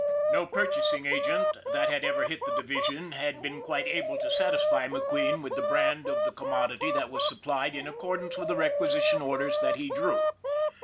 No purchasing agent that had ever hit the division 274 McQUEEN'S HOBBY 275 had been quite able to satisfy McQueen with the brand of the commodity that was supplied in accordance with the requisition orders that he drew.